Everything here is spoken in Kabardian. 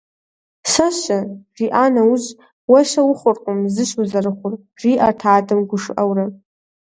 «Сэ-щэ?» жиӏа нэужь «Уэ щэ ухъуркъым, зыщ узэрыхъур» жиӏэрт адэм гушыӏэурэ.